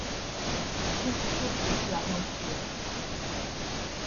It is distributed throughout most of Europe.